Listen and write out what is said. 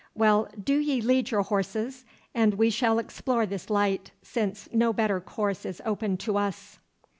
Well, do ye lead your horses, and we shall explore this light, since no better course is open to us.